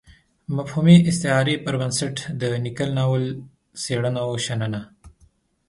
مفهومي استعارې پر بنسټ د نيکه ناول څېړنه او شننه.